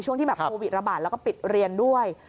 ช่วงที่แบบโควิดระบาดแล้วก็ปิดเรียนด้วย